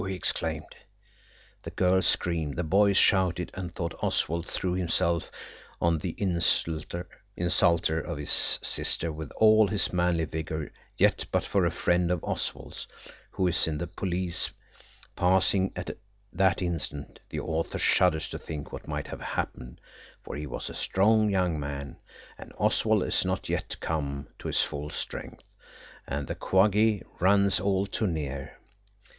he exclaimed. The girls screamed, the boys shouted, and though Oswald threw himself on the insulter of his sister with all his manly vigour, yet but for a friend of Oswald's, who is in the police, passing at that instant, the author shudders to think what might have happened, for he was a strong young man, and Oswald is not yet come to his full strength, and the Quaggy runs all too near.